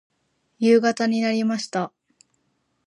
夕方になりました。